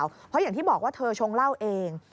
เพราะอย่างที่บอกว่าเธอชงเล่าเอง